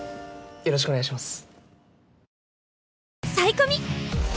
よろしくお願いします。